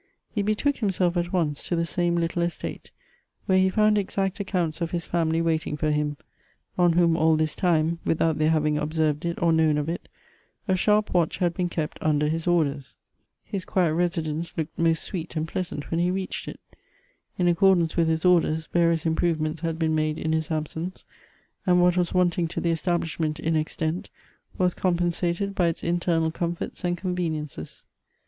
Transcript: He betook himself at once to the same little estate, where he found exact accounts of his family waiting for him, on whom all this time, without their having ob served it or known of it, a sharp watch had been kept under his orders. His quiet residence looked most sweet and pleas ant when he reached it. In accordance with his orders, various improvements had been made in his absence, and what was wanting to the establishment in extent, was compensated by its internal comforts and conveniences.